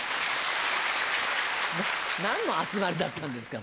何の集まりだったんですか。